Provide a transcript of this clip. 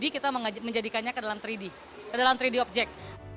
jadi kita mengajak menjadikannya ke dalam tiga d ke dalam tiga d objek